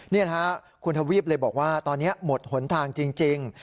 นี่นะครับคุณทวีปเลยบอกว่าตอนนี้หมดหนทางจริง